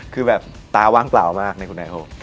คือแบบตาว่างเปล่ามากในคุณไอโอ